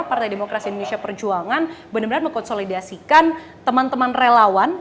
partai demokrasi indonesia perjuangan benar benar mengkonsolidasikan teman teman relawan